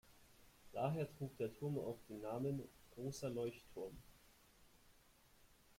Daher trug der Turm auch den Namen „Großer Leuchtturm“.